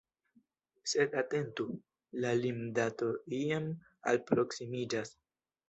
Sed atentu: la lim-dato jam alproksimiĝas!